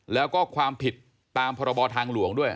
แล้วก็ความผิดตามพรบทางหลวงด้วย